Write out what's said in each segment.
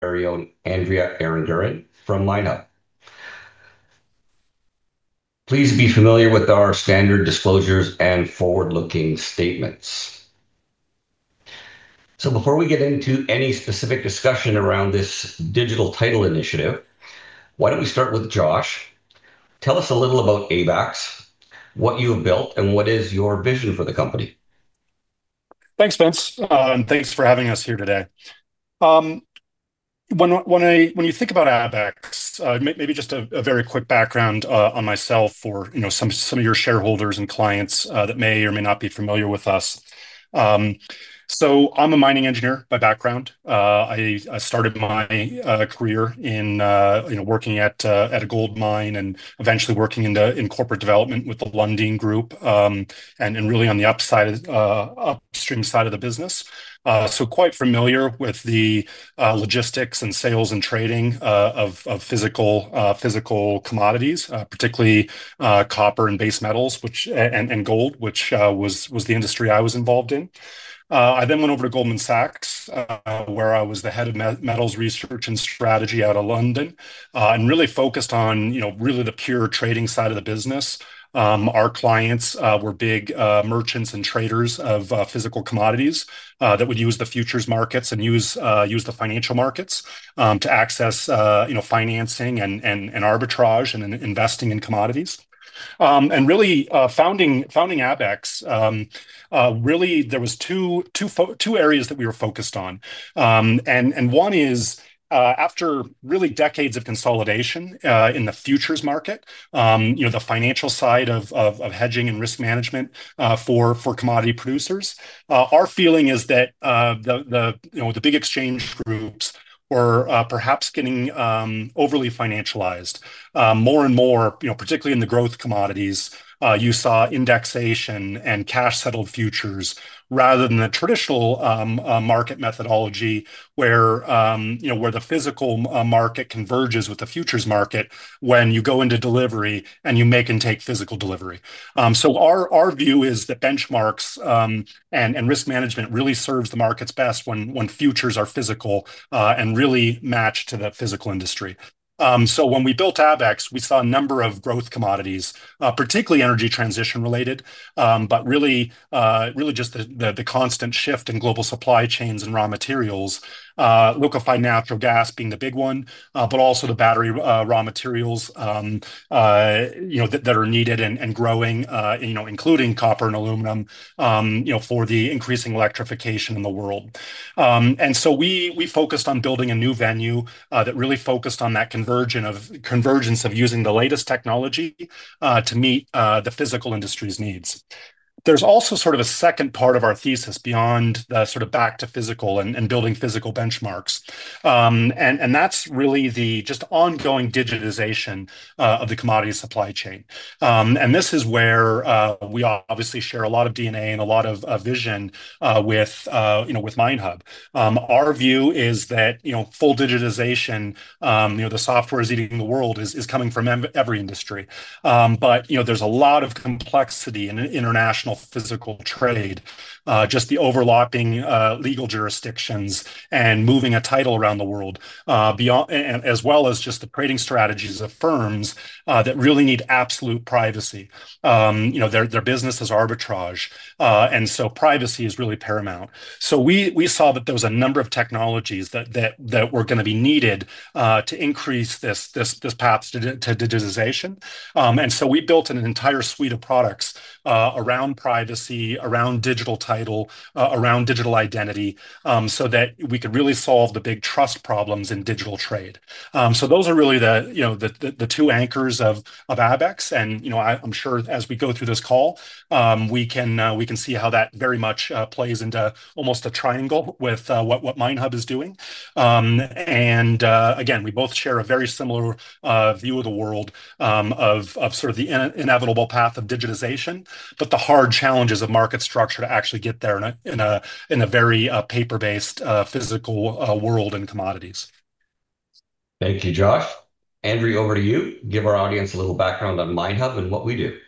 Carry on. Andrea Aranguren from MineHub. Please be familiar with our standard disclosures and forward-looking statements. Before we get into any specific discussion around this digital title initiative, why don't we start with Josh? Tell us a little about ABAX, what you have built, and what is your vision for the company? Thanks, Vince, and thanks for having us here today. When you think about ABAX, maybe just a very quick background on myself for some of your shareholders and clients that may or may not be familiar with us. I'm a mining engineer by background. I started my career working at a gold mine and eventually working in corporate development with the Lundin Group and really on the upstream side of the business. I'm quite familiar with the logistics and sales and trading of physical commodities, particularly copper and base metals and gold, which was the industry I was involved in. I then went over to Goldman Sachs, where I was the Head of Metals Research and Strategy out of London and really focused on the pure trading side of the business. Our clients were big merchants and traders of physical commodities that would use the futures markets and use the financial markets to access financing and arbitrage and investing in commodities. Founding ABAX, there were two areas that we were focused on. One is, after decades of consolidation in the futures market, the financial side of hedging and risk management for commodity producers, our feeling is that the big exchange groups were perhaps getting overly financialized. More and more, particularly in the growth commodities, you saw indexation and cash-settled futures rather than the traditional market methodology where the physical market converges with the futures market when you go into delivery and you make and take physical delivery. Our view is that benchmarks and risk management really serve the markets best when futures are physical and really match to that physical industry. When we built ABAX, we saw a number of growth commodities, particularly energy transition-related, but really just the constant shift in global supply chains and raw materials, liquefied natural gas being the big one, but also the battery raw materials that are needed and growing, including copper and aluminum for the increasing electrification in the world. We focused on building a new venue that really focused on that convergence of using the latest technology to meet the physical industry's needs. There's also a second part of our thesis beyond the back to physical and building physical benchmarks. That's really the ongoing digitization of the commodity supply chain. This is where we obviously share a lot of DNA and a lot of vision with MineHub Technologies Inc. Our view is that full digitization, the software is eating the world, is coming from every industry. There's a lot of complexity in international physical trade, just the overlapping legal jurisdictions and moving a title around the world, as well as the trading strategies of firms that really need absolute privacy. Their business is arbitrage, and privacy is really paramount. We saw that there was a number of technologies that were going to be needed to increase this path to digitization. We built an entire suite of products around privacy, around digital title, around digital identity so that we could really solve the big trust problems in digital trade. Those are really the two anchors of ABAX. I'm sure as we go through this call, we can see how that very much plays into almost a triangle with what MineHub Technologies Inc. is doing. We both share a very similar view of the world of sort of the inevitable path of digitization, but the hard challenges of market structure to actually get there in a very paper-based physical world and commodities. Thank you, Josh. Andrea, over to you. Give our audience a little background on MineHub and what we do.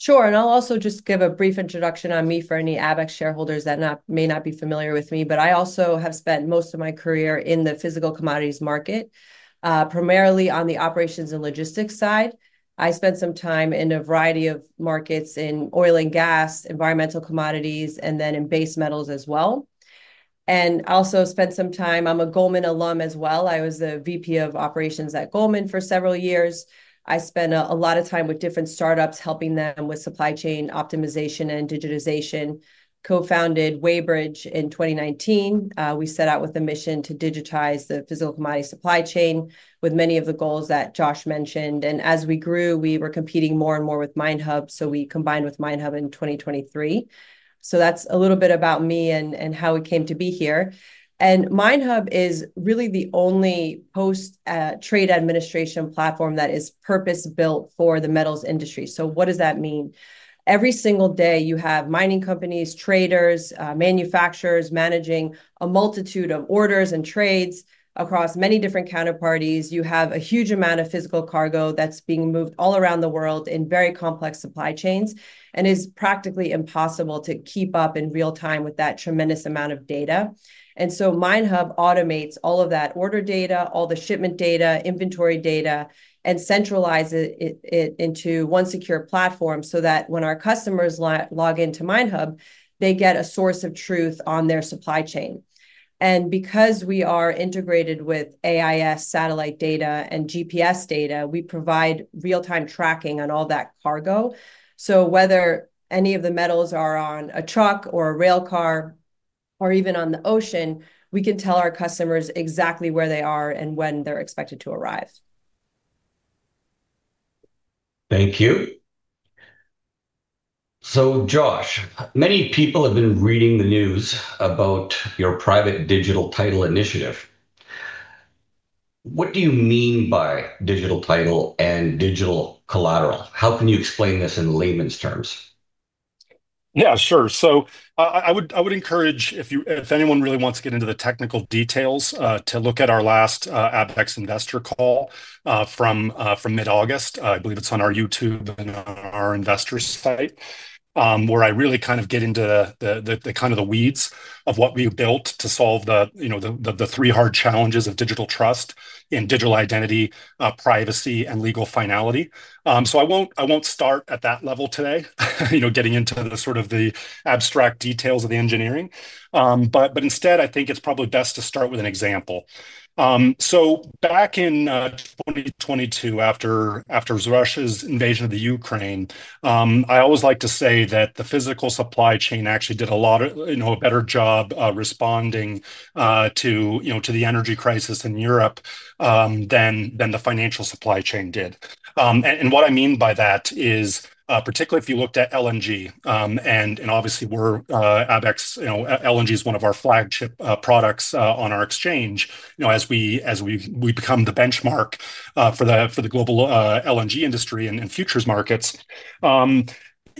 Sure. I'll also just give a brief introduction on me for any ABAX shareholders that may not be familiar with me. I have spent most of my career in the physical commodities market, primarily on the operations and logistics side. I spent some time in a variety of markets in oil and gas, environmental commodities, and then in base metals as well. I also spent some time, I'm a Goldman alum as well. I was the VP of Operations at Goldman Sachs for several years. I spent a lot of time with different startups helping them with supply chain optimization and digitization. I co-founded Waybridge in 2019. We set out with a mission to digitize the physical commodity supply chain with many of the goals that Josh mentioned. As we grew, we were competing more and more with MineHub. We combined with MineHub in 2023. That's a little bit about me and how we came to be here. MineHub is really the only post-trade administration platform that is purpose-built for the metals industry. What does that mean? Every single day you have mining companies, traders, manufacturers managing a multitude of orders and trades across many different counterparties. You have a huge amount of physical cargo that's being moved all around the world in very complex supply chains and it is practically impossible to keep up in real time with that tremendous amount of data. MineHub automates all of that order data, all the shipment data, inventory data, and centralizes it into one secure platform so that when our customers log into MineHub, they get a source of truth on their supply chain. Because we are integrated with AIS satellite data and GPS data, we provide real-time tracking on all that cargo. Whether any of the metals are on a truck or a rail car or even on the ocean, we can tell our customers exactly where they are and when they're expected to arrive. Thank you. Josh, many people have been reading the news about your private digital title initiative. What do you mean by digital title and digital collateral? How can you explain this in layman's terms? Yeah, sure. I would encourage, if anyone really wants to get into the technical details, to look at our last ABAX investor call from mid-August. I believe it's on our YouTube and our investors' site where I really get into the weeds of what we built to solve the three hard challenges of digital trust and digital identity, privacy, and legal finality. I won't start at that level today, getting into the abstract details of the engineering. I think it's probably best to start with an example. Back in 2022, after Russia's invasion of Ukraine, I always like to say that the physical supply chain actually did a lot of a better job responding to the energy crisis in Europe than the financial supply chain did. What I mean by that is, particularly if you looked at LNG, and obviously we're ABAX, LNG is one of our flagship products on our exchange, as we become the benchmark for the global LNG industry and futures markets.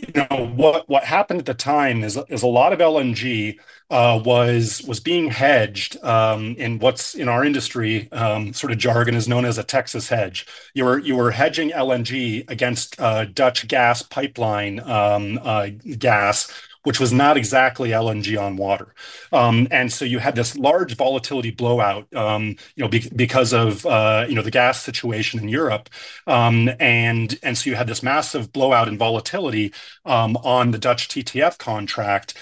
What happened at the time is a lot of LNG was being hedged in what's in our industry jargon is known as a Texas hedge. You were hedging LNG against Dutch gas pipeline gas, which was not exactly LNG on water. You had this large volatility blowout because of the gas situation in Europe. You had this massive blowout in volatility on the Dutch TTF contract.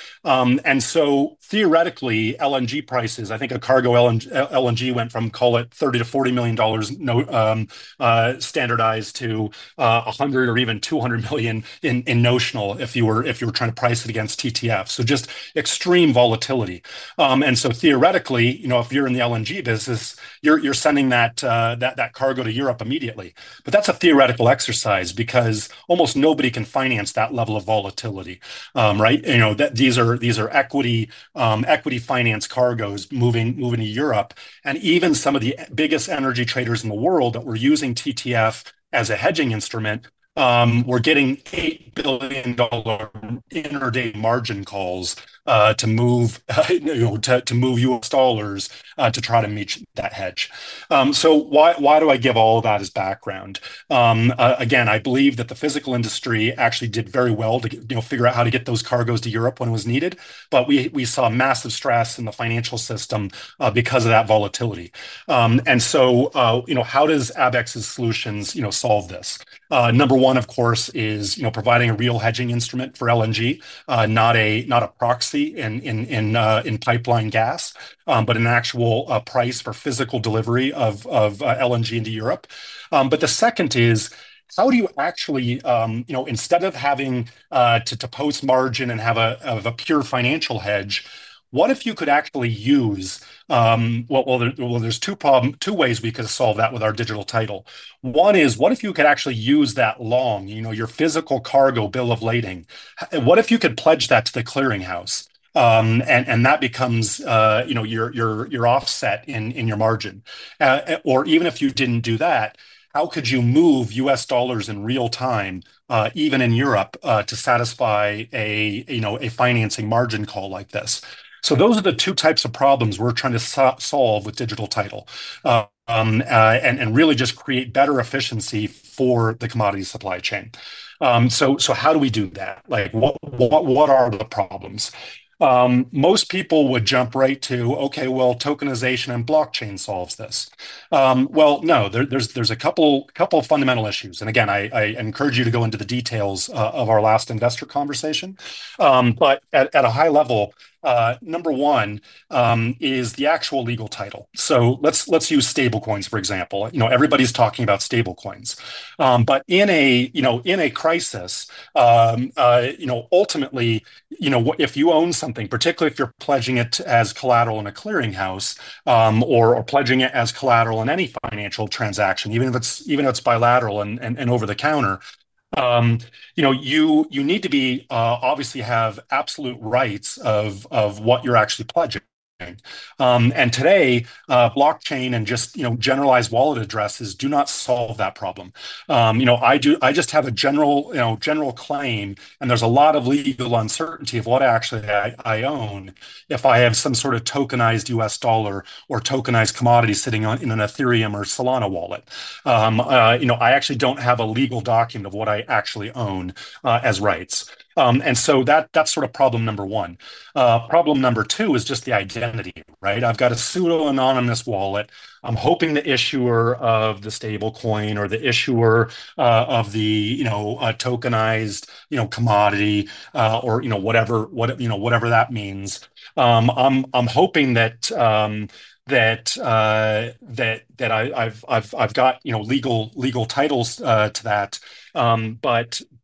Theoretically, LNG prices, I think a cargo LNG went from, call it, $30 million to $40 million standardized to $100 million or even $200 million in notional if you were trying to price it against TTF. Just extreme volatility. Theoretically, if you're in the LNG business, you're sending that cargo to Europe immediately. That's a theoretical exercise because almost nobody can finance that level of volatility. These are equity financed cargoes moving to Europe. Even some of the biggest energy traders in the world that were using TTF as a hedging instrument were getting $8 billion intraday margin calls to move U.S. dollars to try to meet that hedge. Why do I give all of that as background? I believe that the physical industry actually did very well to figure out how to get those cargoes to Europe when it was needed. We saw massive stress in the financial system because of that volatility. How does ABAX's solutions solve this? Number one, of course, is providing a real hedging instrument for LNG, not a proxy in pipeline gas, but an actual price for physical delivery of LNG into Europe. The second is, how do you actually, instead of having to post margin and have a pure financial hedge, what if you could actually use, well, there are two ways we could solve that with our digital title technology. One is, what if you could actually use that long, you know, your physical cargo bill of lading? What if you could pledge that to the clearinghouse? That becomes your offset in your margin. Even if you did not do that, how could you move US dollars in real time, even in Europe, to satisfy a financing margin call like this? Those are the two types of problems we are trying to solve with digital title technology and really just create better efficiency for the commodity supply chain. How do we do that? What are the problems? Most people would jump right to, OK, tokenization and blockchain solve this. There are a couple of fundamental issues. I encourage you to go into the details of our last investor conversation. At a high level, number one is the actual legal title. Let's use stablecoins, for example. Everybody is talking about stablecoins. In a crisis, ultimately, if you own something, particularly if you are pledging it as collateral in a clearinghouse or pledging it as collateral in any financial transaction, even if it is bilateral and over the counter, you need to obviously have absolute rights of what you are actually pledging. Today, blockchain and just generalized wallet addresses do not solve that problem. I just have a general claim, and there is a lot of legal uncertainty of what actually I own if I have some sort of tokenized US dollar or tokenized commodity sitting in an Ethereum or Solana wallet. I actually do not have a legal document of what I actually own as rights. That is problem number one. Problem number two is just the identity. I have got a pseudo-anonymous wallet. I am hoping the issuer of the stablecoin or the issuer of the tokenized commodity or whatever that means. I am hoping that I have got legal titles to that.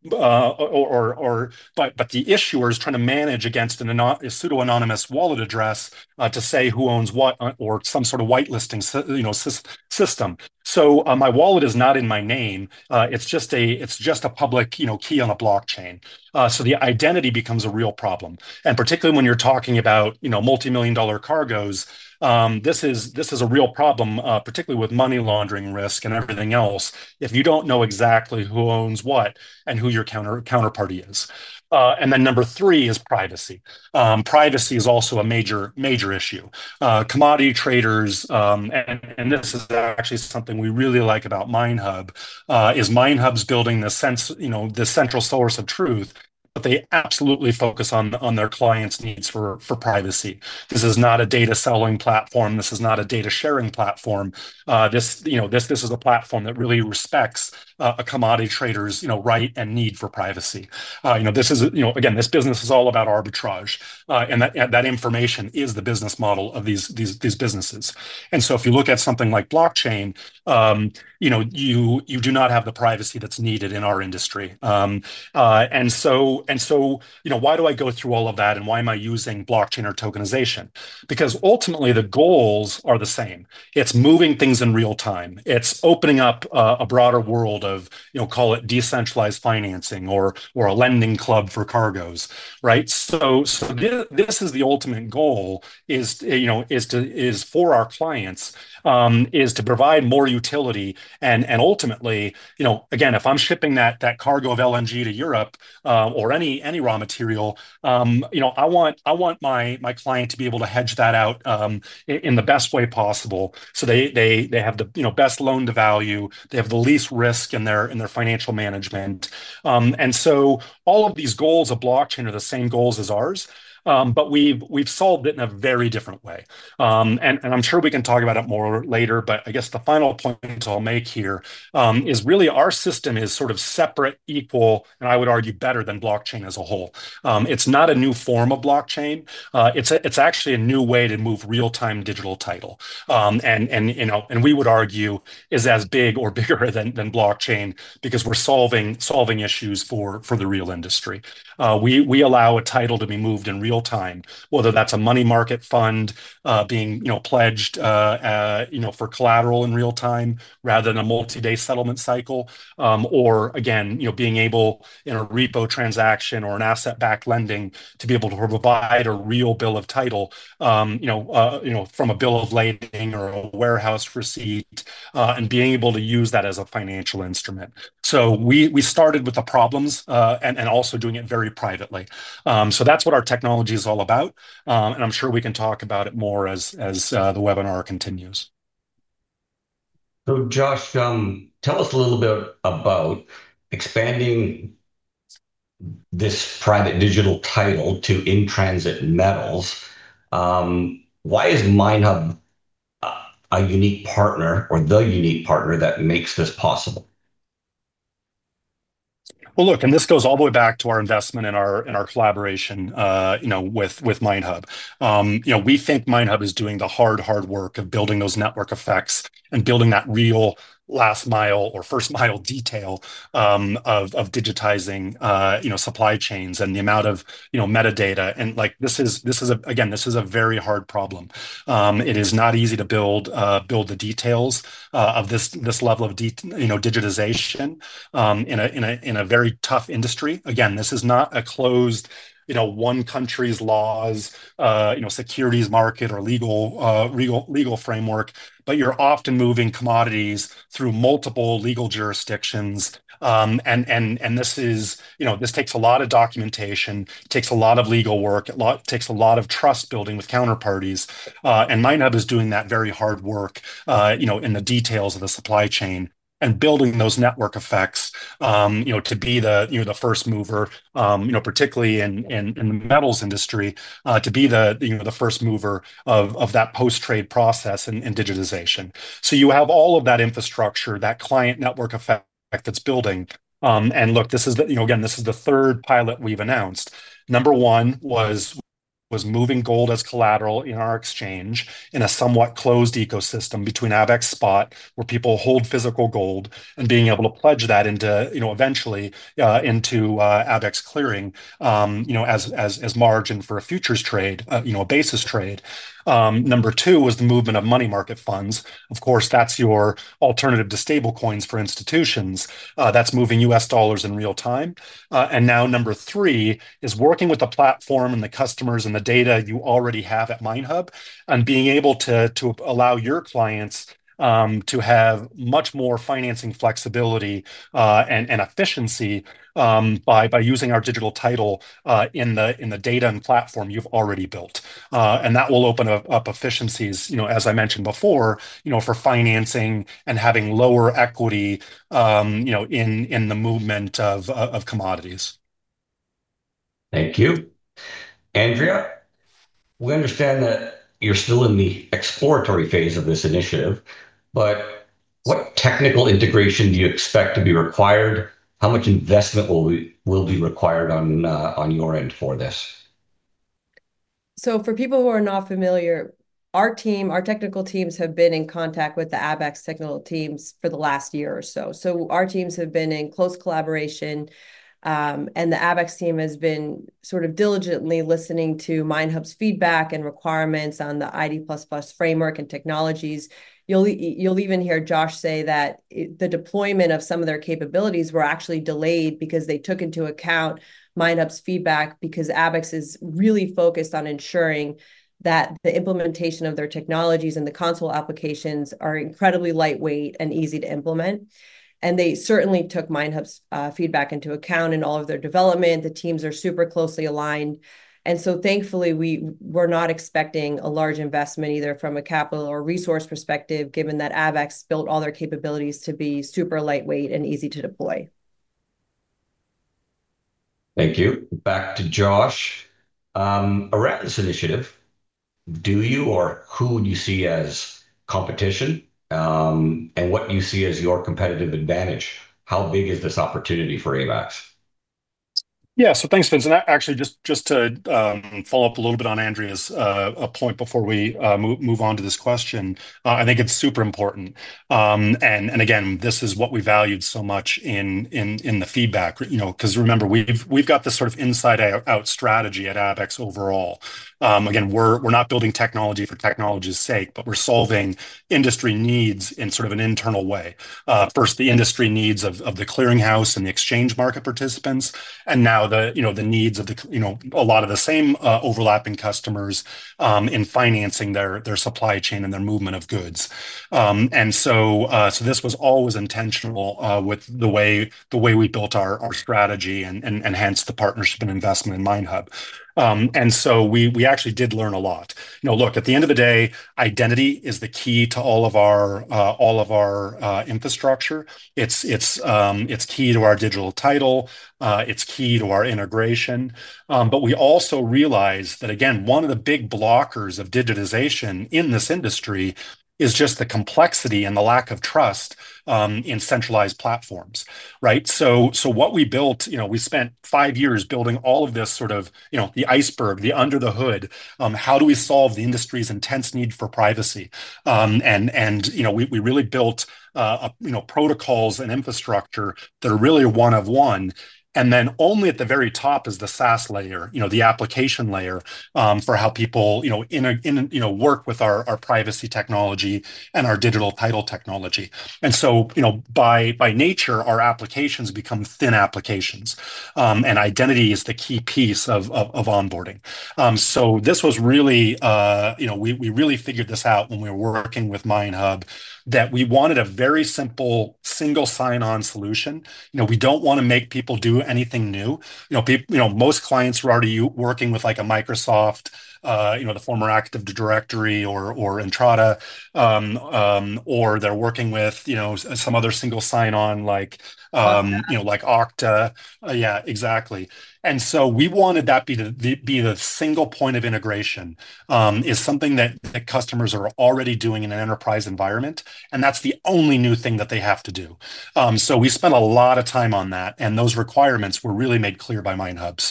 The issuer is trying to manage against a pseudo-anonymous wallet address to say who owns what or some sort of whitelisting system. My wallet is not in my name. It is just a public key on the blockchain. The identity becomes a real problem. Particularly when you're talking about multimillion dollar cargoes, this is a real problem, particularly with money laundering risk and everything else, if you don't know exactly who owns what and who your counterparty is. Number three is privacy. Privacy is also a major issue. Commodity traders, and this is actually something we really like about MineHub Technologies Inc., is MineHub Technologies Inc. is building the central source of truth, but they absolutely focus on their clients' needs for privacy. This is not a data selling platform. This is not a data sharing platform. This is a platform that really respects a commodity trader's right and need for privacy. This business is all about arbitrage, and that information is the business model of these businesses. If you look at something like blockchain, you do not have the privacy that's needed in our industry. Why do I go through all of that? Why am I using blockchain or tokenization? Ultimately, the goals are the same. It's moving things in real time. It's opening up a broader world of, call it, decentralized financing or a lending club for cargoes. This is the ultimate goal for our clients, to provide more utility. Ultimately, if I'm shipping that cargo of LNG to Europe or any raw material, I want my client to be able to hedge that out in the best way possible so they have the best loan to value. They have the least risk in their financial management. All of these goals of blockchain are the same goals as ours, but we've solved it in a very different way. I'm sure we can talk about it more later. The final point I'll make here is really our system is sort of separate, equal, and I would argue better than blockchain as a whole. It's not a new form of blockchain. It's actually a new way to move real-time digital title. We would argue it is as big or bigger than blockchain because we're solving issues for the real industry. We allow a title to be moved in real time, whether that's a money market fund being pledged for collateral in real time rather than a multi-day settlement cycle, or being able in a repo transaction or an asset-backed lending to be able to provide a real bill of title from a bill of lading or a warehouse receipt and being able to use that as a financial instrument. We started with the problems and also doing it very privately. That's what our technology is all about. I'm sure we can talk about it more as the webinar continues. Josh, tell us a little bit about expanding this private digital title to in-transit metals. Why is MineHub Technologies Inc. a unique partner or the unique partner that makes this possible? This goes all the way back to our investment in our collaboration with MineHub Technologies Inc. We think MineHub Technologies Inc. is doing the hard, hard work of building those network effects and building that real last mile or first mile detail of digitizing supply chains and the amount of metadata. This is a very hard problem. It is not easy to build the details of this level of digitization in a very tough industry. This is not a closed one country's laws, securities market, or legal framework. You're often moving commodities through multiple legal jurisdictions. This takes a lot of documentation, takes a lot of legal work, takes a lot of trust building with counterparties. MineHub Technologies Inc. is doing that very hard work in the details of the supply chain and building those network effects to be the first mover, particularly in the metals industry, to be the first mover of that post-trade process and digitization. You have all of that infrastructure, that client network effect that's building. This is the third pilot we've announced. Number one was moving gold as collateral in our exchange in a somewhat closed ecosystem between ABAX spot, where people hold physical gold, and being able to pledge that eventually into ABAX clearing as margin for a futures trade, a basis trade. Number two was the movement of money market funds. Of course, that's your alternative to stablecoins for institutions. That's moving US dollars in real time. Number three is working with the platform and the customers and the data you already have at MineHub Technologies Inc. and being able to allow your clients to have much more financing flexibility and efficiency by using our digital title in the data and platform you've already built. That will open up efficiencies, as I mentioned before, for financing and having lower equity in the movement of commodities. Thank you. Andrea, we understand that you're still in the exploratory phase of this initiative. What technical integration do you expect to be required? How much investment will be required on your end for this? For people who are not familiar, our team, our technical teams have been in contact with the ABAX technical teams for the last year or so. Our teams have been in close collaboration, and the ABAX team has been diligently listening to MineHub's feedback and requirements on the ID++ framework and technologies. You'll even hear Josh say that the deployment of some of their capabilities were actually delayed because they took into account MineHub's feedback, because ABAX is really focused on ensuring that the implementation of their technologies and the console applications are incredibly lightweight and easy to implement. They certainly took MineHub's feedback into account in all of their development. The teams are super closely aligned, and thankfully, we're not expecting a large investment either from a capital or resource perspective, given that ABAX built all their capabilities to be super lightweight and easy to deploy. Thank you. Back to Josh. Around this initiative, do you or who would you see as competition? What do you see as your competitive advantage? How big is this opportunity for ABAX? Yeah, thanks, Vince. Actually, just to follow up a little bit on Andrea's point before we move on to this question, I think it's super important. This is what we valued so much in the feedback. Remember, we've got this sort of inside-out strategy at ABAX overall. We're not building technology for technology's sake, but we're solving industry needs in sort of an internal way. First, the industry needs of the clearinghouse and the exchange market participants, and now the needs of a lot of the same overlapping customers in financing their supply chain and their movement of goods. This was always intentional with the way we built our strategy and hence the partnership and investment in MineHub Technologies Inc. We actually did learn a lot. At the end of the day, identity is the key to all of our infrastructure. It's key to our digital title technology. It's key to our integration. We also realized that one of the big blockers of digitization in this industry is just the complexity and the lack of trust in centralized platforms. What we built, we spent five years building all of this, sort of the iceberg, the under the hood. How do we solve the industry's intense need for privacy? We really built protocols and infrastructure that are really one of one. Only at the very top is the SaaS layer, the application layer for how people work with our privacy technology and our digital title technology. By nature, our applications become thin applications, and identity is the key piece of onboarding. We really figured this out when we were working with MineHub Technologies Inc. that we wanted a very simple single sign-on solution. We don't want to make people do anything new. Most clients are already working with like a Microsoft, the former Active Directory or Entrata, or they're working with some other single sign-on like Okta. Yeah, exactly. We wanted that to be the single point of integration, something that customers are already doing in an enterprise environment, and that's the only new thing that they have to do. We spent a lot of time on that, and those requirements were really made clear by MineHub Technologies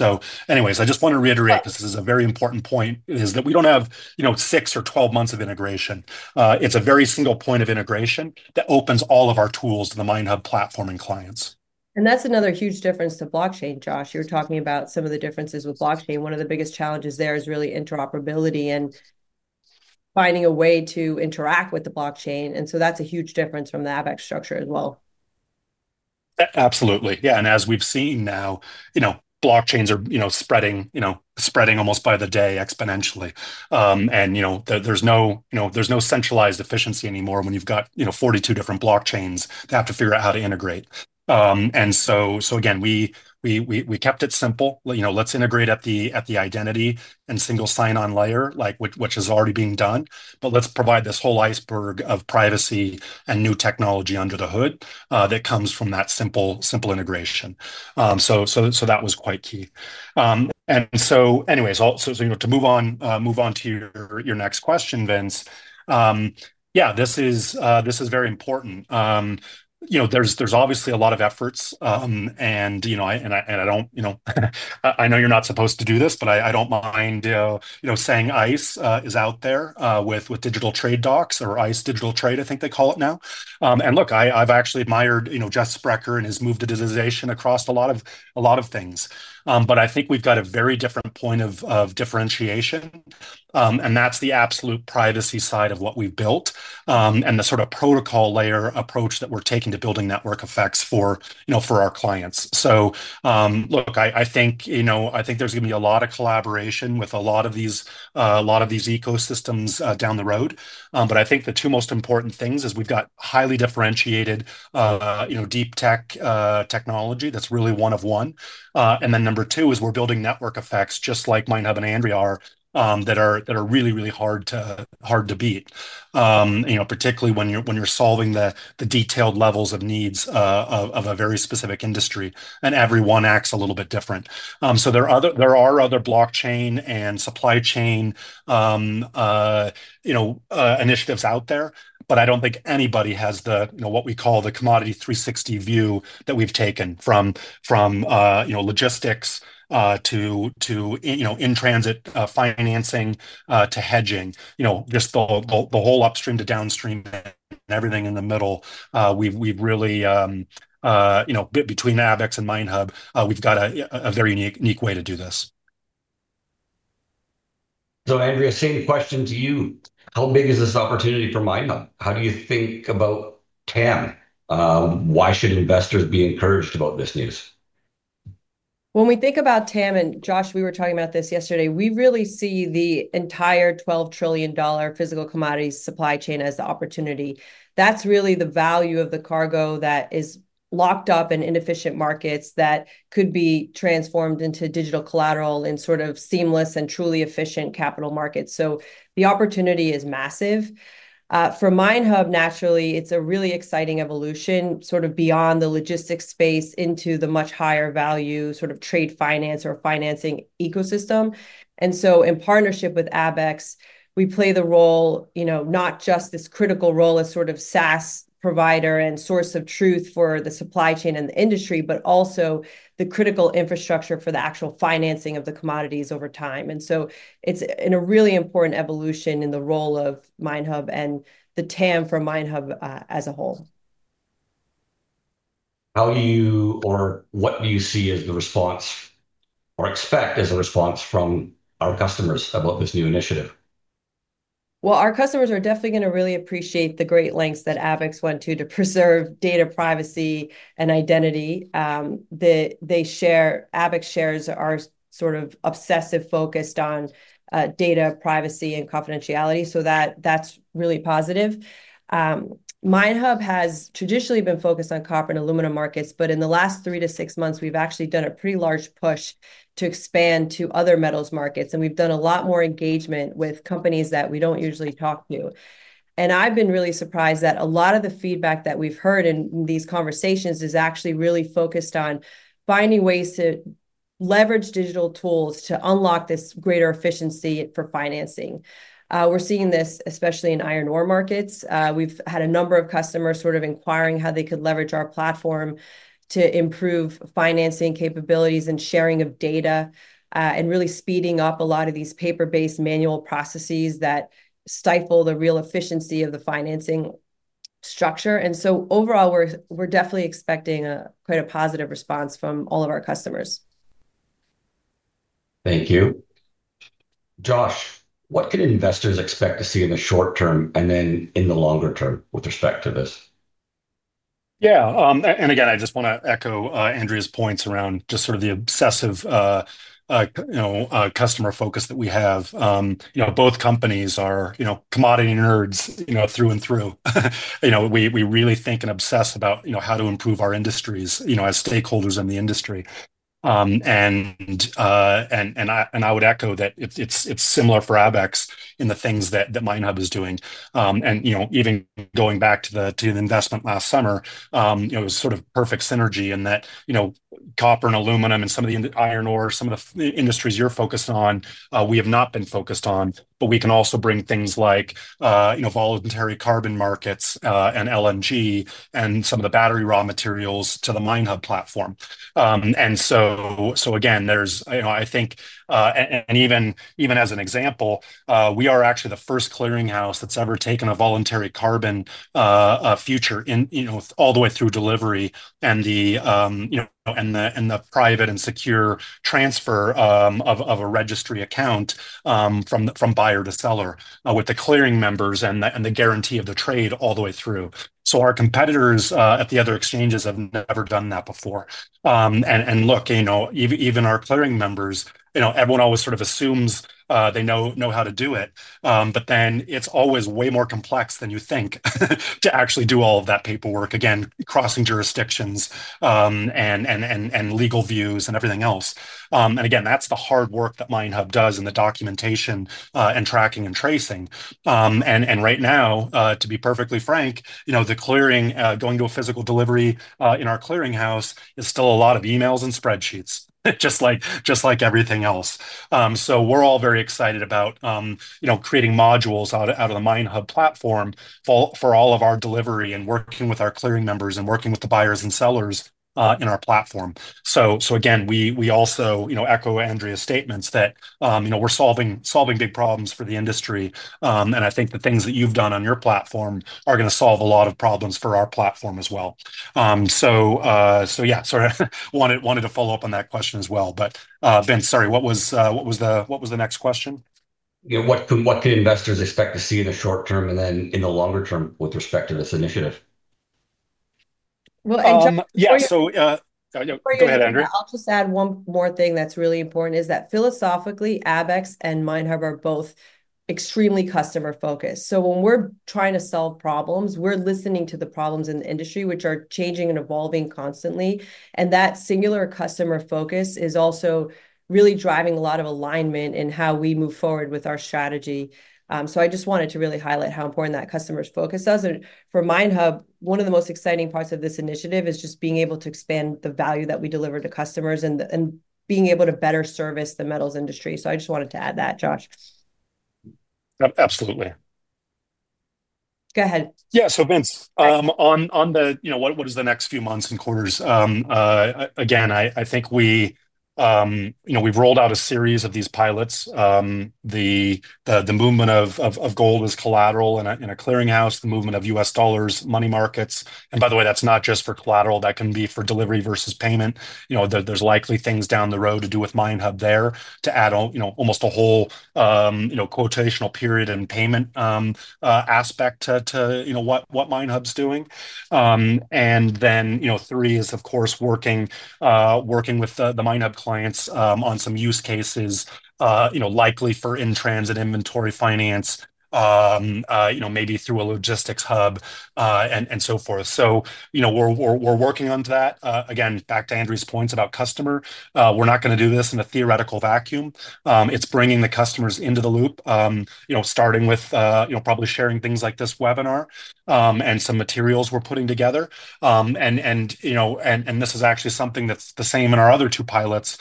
Inc. I just want to reiterate because this is a very important point, we don't have 6 or 12 months of integration. It's a very single point of integration that opens all of our tools to the MineHub post-trade administration platform and clients. That's another huge difference to blockchain, Josh. You were talking about some of the differences with blockchain. One of the biggest challenges there is really interoperability and finding a way to interact with the blockchain. That's a huge difference from the ABAX structure as well. Absolutely. Yeah. As we've seen now, blockchains are spreading almost by the day exponentially. There's no centralized efficiency anymore when you've got 42 different blockchains that have to figure out how to integrate. We kept it simple. Let's integrate at the identity and single sign-on layer, which is already being done. Let's provide this whole iceberg of privacy and new technology under the hood that comes from that simple integration. That was quite key. To move on to your next question, Vince, this is very important. There's obviously a lot of efforts. I know you're not supposed to do this, but I don't mind saying ICE is out there with digital trade docs or ICE digital trade, I think they call it now. I've actually admired Jeff Sprecher and his move to digitization across a lot of things. I think we've got a very different point of differentiation. That's the absolute privacy side of what we built and the sort of protocol layer approach that we're taking to building network effects for our clients. I think there's going to be a lot of collaboration with a lot of these ecosystems down the road. The two most important things are we've got highly differentiated deep tech technology that's really one of one. Number two is we're building network effects just like MineHub and Andrea are that are really, really hard to beat, particularly when you're solving the detailed levels of needs of a very specific industry. Everyone acts a little bit different. There are other blockchain and supply chain initiatives out there. I don't think anybody has what we call the commodity 360 view that we've taken from logistics to in-transit financing to hedging, just the whole upstream to downstream and everything in the middle. Between ABAX and MineHub, we've got a very unique way to do this. Andrea, same question to you. How big is this opportunity for MineHub Technologies Inc.? How do you think about TAM? Why should investors be encouraged about this news? When we think about TAM, and Josh, we were talking about this yesterday, we really see the entire $12 trillion physical commodities supply chain as the opportunity. That's really the value of the cargo that is locked up in inefficient markets that could be transformed into digital collateral in sort of seamless and truly efficient capital markets. The opportunity is massive. For MineHub Technologies Inc., naturally, it's a really exciting evolution sort of beyond the logistics space into the much higher value sort of trade finance or financing ecosystem. In partnership with ABAX, we play the role, not just this critical role as sort of SaaS provider and source of truth for the supply chain and the industry, but also the critical infrastructure for the actual financing of the commodities over time. It's a really important evolution in the role of MineHub Technologies Inc. and the TAM for MineHub Technologies Inc. as a whole. How do you or what do you see as the response or expect as a response from our customers about this new initiative? Our customers are definitely going to really appreciate the great lengths that ABAX went to to preserve data privacy and identity. ABAX shares are sort of obsessive focused on data privacy and confidentiality, so that's really positive. MineHub Technologies Inc. has traditionally been focused on copper and aluminum markets, but in the last three to six months, we've actually done a pretty large push to expand to other metals markets. We've done a lot more engagement with companies that we don't usually talk to. I've been really surprised that a lot of the feedback that we've heard in these conversations is actually really focused on finding ways to leverage digital tools to unlock this greater efficiency for financing. We're seeing this especially in iron ore markets. We've had a number of customers sort of inquiring how they could leverage our platform to improve financing capabilities and sharing of data and really speeding up a lot of these paper-based manual processes that stifle the real efficiency of the financing structure. Overall, we're definitely expecting quite a positive response from all of our customers. Thank you. Josh, what could investors expect to see in the short term and then in the longer term with respect to this? Yeah. I just want to echo Andrea's points around the obsessive customer focus that we have. Both companies are commodity nerds through and through. We really think and obsess about how to improve our industries as stakeholders in the industry. I would echo that it's similar for ABAX in the things that MineHub is doing. Even going back to the investment last summer, it was perfect synergy in that copper and aluminum and some of the iron ore, some of the industries you're focused on, we have not been focused on. We can also bring things like voluntary carbon markets and LNG and some of the battery raw materials to the MineHub platform. I think, and even as an example, we are actually the first clearinghouse that's ever taken a voluntary carbon future all the way through delivery and the private and secure transfer of a registry account from buyer to seller with the clearing members and the guarantee of the trade all the way through. Our competitors at the other exchanges have never done that before. Even our clearing members, everyone always assumes they know how to do it. It's always way more complex than you think to actually do all of that paperwork, crossing jurisdictions and legal views and everything else. That's the hard work that MineHub does in the documentation and tracking and tracing. Right now, to be perfectly frank, the clearing, going to a physical delivery in our clearinghouse is still a lot of emails and spreadsheets, just like everything else. We're all very excited about creating modules out of the MineHub platform for all of our delivery and working with our clearing members and working with the buyers and sellers in our platform. We also echo Andrea's statements that we're solving big problems for the industry. I think the things that you've done on your platform are going to solve a lot of problems for our platform as well. I wanted to follow up on that question as well. Vince, sorry, what was the next question? What can investors expect to see in the short term and then in the longer term with respect to this initiative? Well, Andrea. Yeah, go ahead, Andrea. I'll just add one more thing that's really important, which is that philosophically, ABAX and MineHub Technologies Inc. are both extremely customer-focused. When we're trying to solve problems, we're listening to the problems in the industry, which are changing and evolving constantly. That singular customer focus is also really driving a lot of alignment in how we move forward with our strategy. I just wanted to really highlight how important that customer focus is. For MineHub Technologies Inc., one of the most exciting parts of this initiative is just being able to expand the value that we deliver to customers and being able to better service the metals industry. I just wanted to add that, Josh. Absolutely. Go ahead. Yeah, Vince, on the, you know, what is the next few months and quarters? I think we've rolled out a series of these pilots. The movement of gold as collateral in a clearinghouse, the movement of U.S. dollars, money markets. By the way, that's not just for collateral. That can be for delivery versus payment. There's likely things down the road to do with MineHub Technologies Inc. there to add almost a whole quotational period and payment aspect to what MineHub Technologies Inc. is doing. Three is, of course, working with the MineHub Technologies Inc. clients on some use cases, likely for in-transit inventory finance, maybe through a logistics hub and so forth. We're working on that. Back to Andrea Aranguren's points about customer, we're not going to do this in a theoretical vacuum. It's bringing the customers into the loop, starting with probably sharing things like this webinar and some materials we're putting together. This is actually something that's the same in our other two pilots.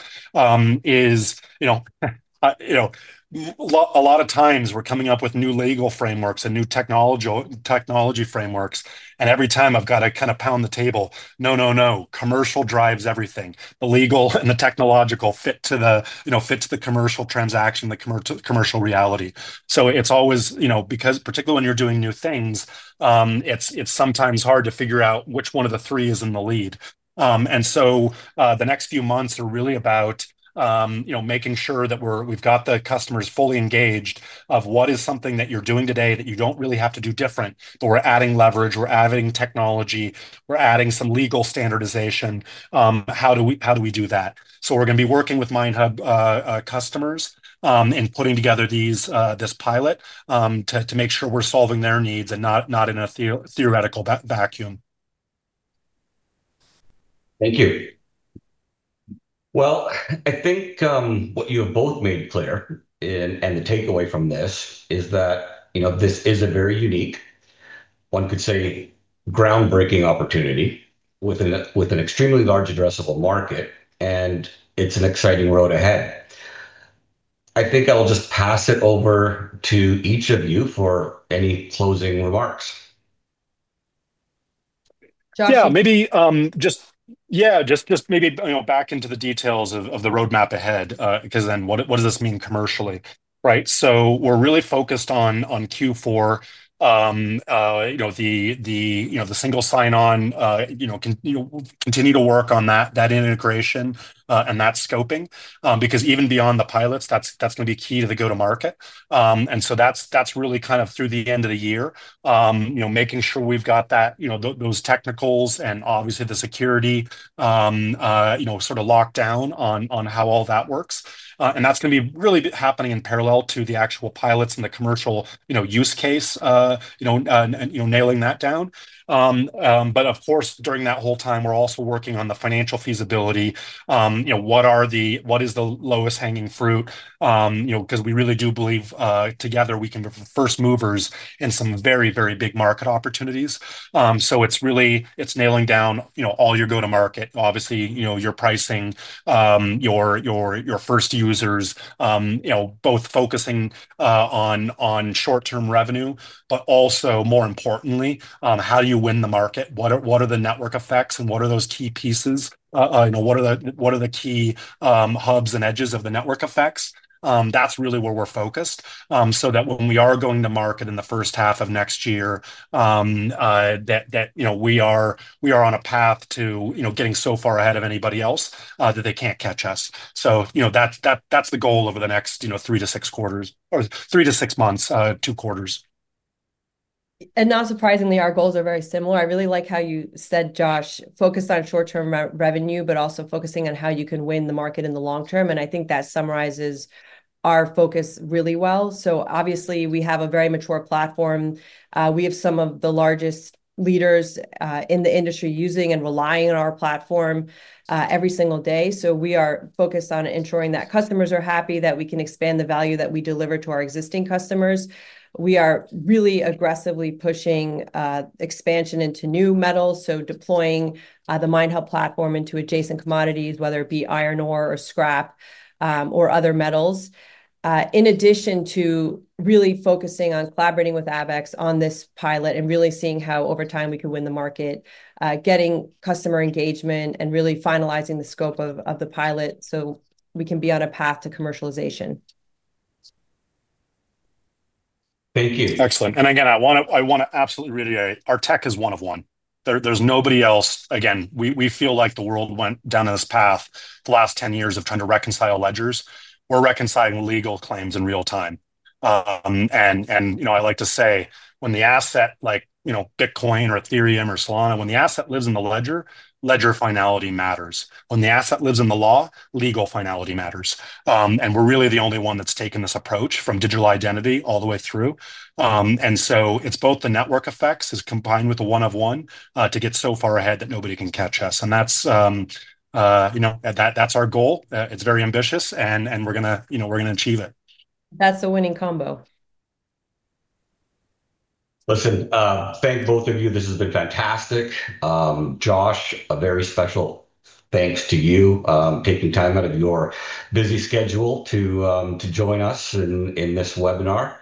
A lot of times we're coming up with new legal frameworks and new technology frameworks. Every time I've got to kind of pound the table, no, no, no, commercial drives everything. The legal and the technological fit to the commercial transaction, the commercial reality. It's always, you know, because particularly when you're doing new things, it's sometimes hard to figure out which one of the three is in the lead. The next few months are really about making sure that we've got the customers fully engaged of what is something that you're doing today that you don't really have to do different. We're adding leverage, we're adding technology, we're adding some legal standardization. How do we do that? We're going to be working with MineHub Technologies Inc. customers and putting together this pilot to make sure we're solving their needs and not in a theoretical vacuum. Thank you. I think what you have both made clear and the takeaway from this is that this is a very unique, one could say, groundbreaking opportunity with an extremely large addressable market. It's an exciting road ahead. I think I'll just pass it over to each of you for any closing remarks. Maybe just back into the details of the roadmap ahead, because then what does this mean commercially? We're really focused on Q4, the single sign-on, continue to work on that integration and that scoping. Even beyond the pilots, that's going to be key to the go-to-market. That's really kind of through the end of the year, making sure we've got those technicals and obviously the security sort of locked down on how all that works. That's going to be really happening in parallel to the actual pilots and the commercial use case, nailing that down. During that whole time, we're also working on the financial feasibility. What is the lowest hanging fruit? We really do believe together we can be first movers in some very, very big market opportunities. It's nailing down all your go-to-market, obviously your pricing, your first users, both focusing on short-term revenue, but also more importantly, how do you win the market? What are the network effects and what are those key pieces? What are the key hubs and edges of the network effects? That's really where we're focused. When we are going to market in the first half of next year, we are on a path to getting so far ahead of anybody else that they can't catch us. That's the goal over the next three to six quarters, or three to six months, two quarters. Not surprisingly, our goals are very similar. I really like how you said, Josh, focused on short-term revenue, but also focusing on how you can win the market in the long term. I think that summarizes our focus really well. Obviously, we have a very mature platform. We have some of the largest leaders in the industry using and relying on our platform every single day. We are focused on ensuring that customers are happy, that we can expand the value that we deliver to our existing customers. We are really aggressively pushing expansion into new metals, deploying the MineHub post-trade administration platform into adjacent commodities, whether it be iron ore or scrap or other metals, in addition to really focusing on collaborating with ABAX on this pilot and really seeing how over time we could win the market, getting customer engagement, and really finalizing the scope of the pilot so we can be on a path to commercialization. Thank you. Excellent. I want to absolutely reiterate, our tech is one of one. There's nobody else. We feel like the world went down this path. The last 10 years have kind of reconciled ledgers. We're reconciling legal claims in real time. I like to say when the asset, like Bitcoin or Ethereum or Solana, when the asset lives in the ledger, ledger finality matters. When the asset lives in the law, legal finality matters. We're really the only one that's taken this approach from digital identity all the way through. It's both the network effects combined with the one of one to get so far ahead that nobody can catch us. That's our goal. It's very ambitious. We're going to achieve it. That's a winning combo. Listen, thank both of you. This has been fantastic. Josh, a very special thanks to you for taking time out of your busy schedule to join us in this webinar.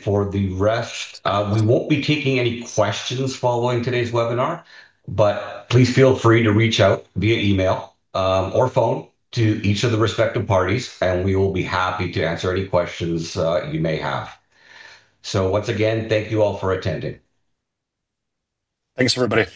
For the rest, we won't be taking any questions following today's webinar. Please feel free to reach out via email or phone to each of the respective parties. We will be happy to answer any questions you may have. Once again, thank you all for attending. Thanks, everybody.